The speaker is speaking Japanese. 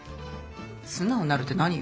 素直になるって何よ？